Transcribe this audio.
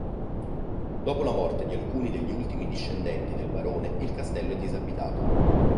Dopo la morte di alcuni degli ultimi discendenti del barone il castello è disabitato.